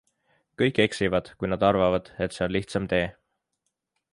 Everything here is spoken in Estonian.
Kõik eksivad, kui nad arvavad, et see on lihtsam tee.